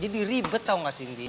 jadi ribet tau gak sindi